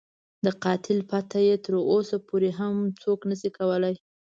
د قاتل پته یې تر اوسه پورې هم څوک نه شي کولای.